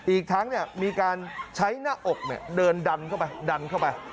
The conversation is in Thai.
อีกทั้งมีการใช้หน้าอกเดินดันเข้าไปดันเข้าไป